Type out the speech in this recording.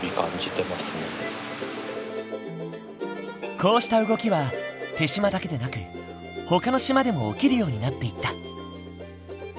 こうした動きは豊島だけでなくほかの島でも起きるようになっていった。